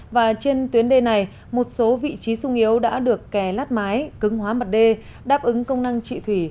và trên tuyến đê này một số vị trí sung yếu đã được kè lát mái cứng hóa mặt đê đáp ứng công năng trị thủy